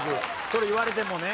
それ言われてもね。